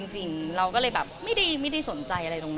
จริงเราก็เลยแบบไม่ได้สนใจอะไรตรงนั้น